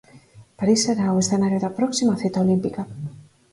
París será o escenario da próxima cita olímpica.